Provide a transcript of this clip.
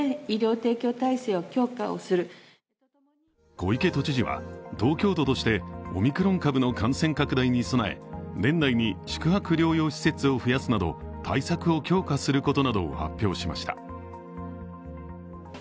小池都知事は、東京都としてオミクロン株の感染拡大に備え年内に宿泊療養施設を増やすなど対策を強化することなどを発表しました。